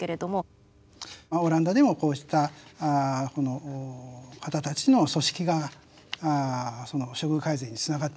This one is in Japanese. まあオランダでもこうしたこの方たちの組織がその処遇改善につながっていった。